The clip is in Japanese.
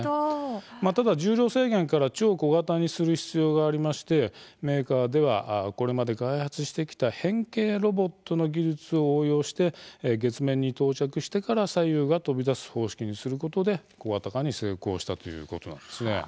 ただ、重量制限から超小型にする必要がありましてメーカーではこれまで開発してきた変形ロボットの技術を応用して月面に到着してから左右が飛び出す方式にすることで小型化に成功したということなんです。